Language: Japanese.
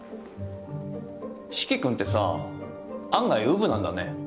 四鬼君ってさ案外うぶなんだね。